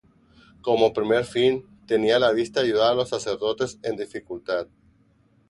Cómo primer fin, tenía a la vista ayudar a los sacerdotes en dificultad.